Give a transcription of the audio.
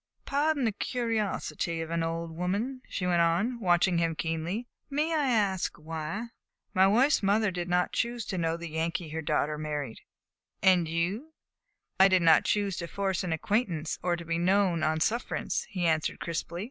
"Pardon the curiosity of an old woman," she went on, watching him keenly; "may I ask why?" "My wife's mother did not choose to know the Yankee her daughter married." "And you?" "I did not choose to force an acquaintance or to be known on sufferance," he answered crisply.